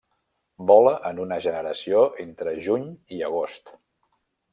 Vola en una generació entre juny i agost.